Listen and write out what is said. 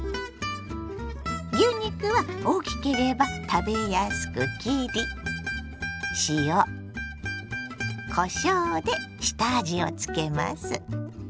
牛肉は大きければ食べやすく切り下味をつけます。